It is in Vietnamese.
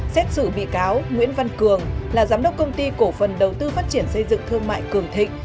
xét xử bị cáo nguyễn văn cường là giám đốc công ty cổ phần đầu tư phát triển xây dựng thương mại cường thịnh